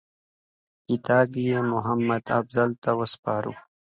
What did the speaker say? کتاب یې محمدافضل ته وسپاره.